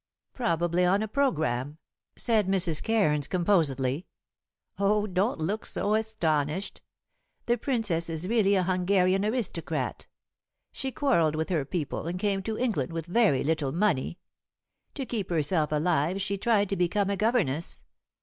"Probably on a programme," said Mrs. Cairns composedly. "Oh, don't look so astonished. The Princess is really a Hungarian aristocrat. She quarrelled with her people, and came to England with very little money. To keep herself alive she tried to become a governess.